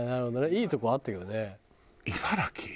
いいとこあったけどね。